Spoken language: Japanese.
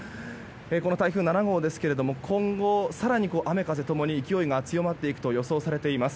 この台風７号ですが今後、更に雨風ともに勢いが強まっていくと予想されています。